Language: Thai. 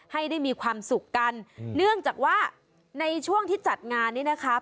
ให้ได้มีความสุขกันเนื่องจากว่าในช่วงที่จัดงานนี้นะคะ